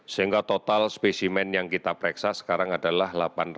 sehingga total spesimen yang kita pereksa sekarang adalah